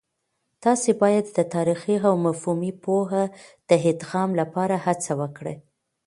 تاسې باید د تاريخي او مفهومي پوهه د ادغام لپاره هڅه وکړئ.